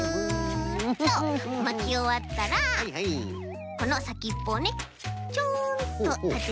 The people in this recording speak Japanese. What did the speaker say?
っとまきおわったらこのさきっぽをねちょんとたててあげる。